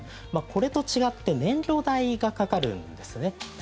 これと違って燃料代がかかるんですね。